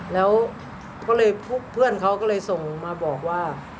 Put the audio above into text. แล้วก็เพื่อนเขาก็เลยส่งมาบอกว่า